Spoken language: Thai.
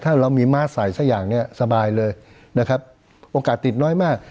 ถ้าเรามีม้าใส่สักอย่างเนี่ยสบายเลยนะครับโอกาสติดน้อยมาก